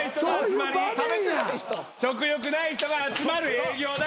食欲ない人が集まる営業だよ。